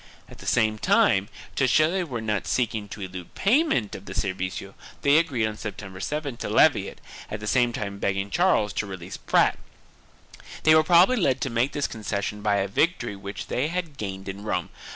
At the same time, to show that they were not seeking to elude pay ment of the servicio they agreed on September 7th to levy it, at the same time begging Charles to release Prat. They were probably led to make this concession by a victory which they had gained in Rome.